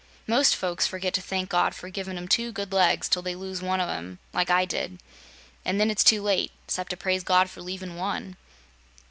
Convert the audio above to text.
Most folks forget to thank God for givin' 'em two good legs, till they lose one o' 'em, like I did; and then it's too late, 'cept to praise God for leavin' one."